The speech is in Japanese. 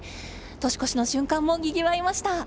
年越しの瞬間もにぎわいました。